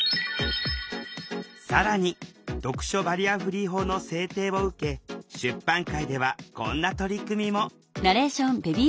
更に読書バリアフリー法の制定を受け出版界ではこんな取り組みも。